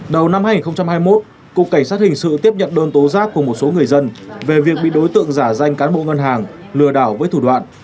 đầu năm hai nghìn hai mươi một cục cảnh sát hình sự tiếp nhận đơn tố giác của một số người dân về việc bị đối tượng giả danh cán bộ ngân hàng lừa đảo với thủ đoạn